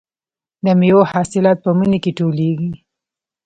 د میوو حاصلات په مني کې ټولېږي.